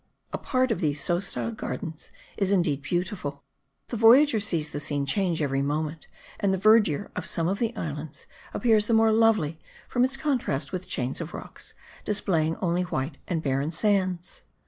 A part of these so styled gardens is indeed beautiful; the voyager sees the scene change every moment, and the verdure of some of the islands appears the more lovely from its contrast with chains of rocks, displaying only white and barren sands.